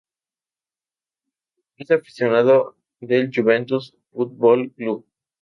Es aficionado del Juventus football club.